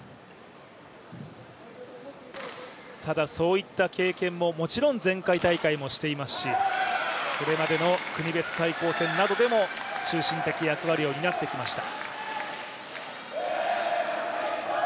ただ、そういった経験ももちろん前回大会もしていますし、これまでの国別対抗戦などでも中心的役割を担ってきました。